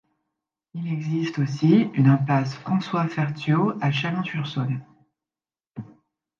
Il existe aussi une impasse François-Fertiault à Chalon-sur-Saône.